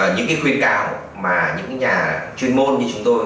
những cái khuyến cáo mà những cái nhà chuyên môn như chúng tôi